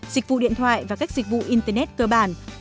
dịch vụ điện thoại và các dịch vụ internet cơ bản